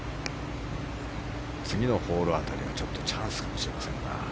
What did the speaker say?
次のホール辺りは、ちょっとチャンスかもしれませんが。